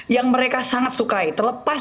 yang mereka sangat sukai terlepas